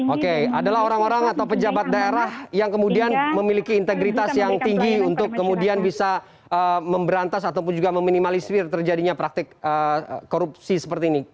oke adalah orang orang atau pejabat daerah yang kemudian memiliki integritas yang tinggi untuk kemudian bisa memberantas ataupun juga meminimalisir terjadinya praktik korupsi seperti ini